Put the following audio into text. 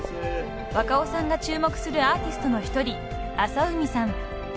［若尾さんが注目するアーティストの一人浅海さん］